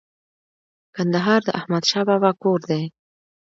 کندهار د احمد شاه بابا کور دی